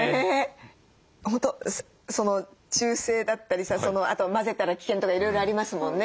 本当中性だったりさあと「混ぜたら危険」とかいろいろありますもんね。